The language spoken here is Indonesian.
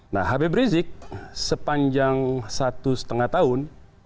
nah habib rizik sepanjang satu lima tahun